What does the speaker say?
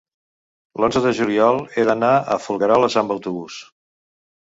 l'onze de juliol he d'anar a Folgueroles amb autobús.